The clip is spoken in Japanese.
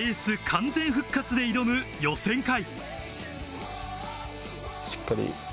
完全復活で挑む予選会。